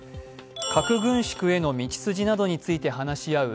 核軍縮への道筋などについて話し合う